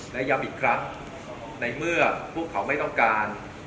และย้ำอีกครั้งในเมื่อพวกเขาไม่ต้องการ